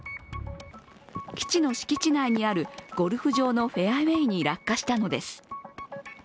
基地の敷地内にあるゴルフ場のフェアウェーに落下したのです。